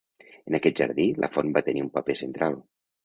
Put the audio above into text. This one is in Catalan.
En aquest jardí, la font va tenir un paper central.